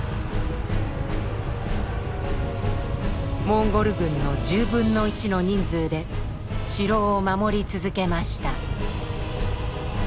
モンゴル軍の１０分の１の人数で城を守り続けました。